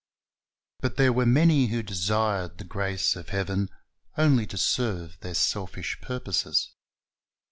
But there were many who desired the grace of heaven only to serve their selfish purposes.